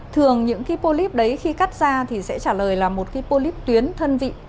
thường những polip đấy khi cắt ra thì sẽ trả lời là một polip tuyến thân vị